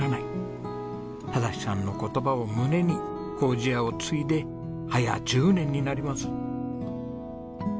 忠さんの言葉を胸に糀屋を継いで早１０年になります。